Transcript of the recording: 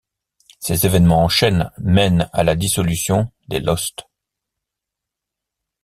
Ces événements en chaîne mènent à la dissolution des Lost.